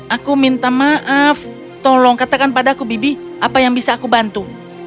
aku minta maaf tolong katakan pada aku bibi apa yang bisa aku bantu